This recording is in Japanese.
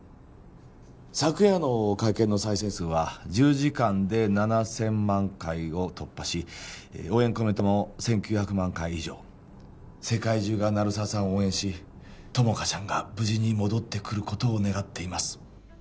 昨夜の会見の再生数は１０時間で７０００万回を突破し応援コメントも１９００万回以上世界中が鳴沢さんを応援し友果ちゃんが無事に戻ってくることを願っています